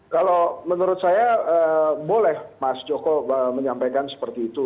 kalau menurut saya boleh mas joko menyampaikan seperti itu